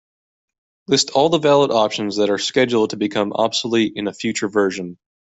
List all the valid options that are scheduled to become obsolete in a future version.